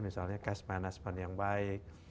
misalnya cash management yang baik